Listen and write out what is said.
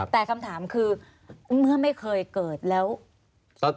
แต่คำถามคือเมื่อไม่เคยเกิดแล้ว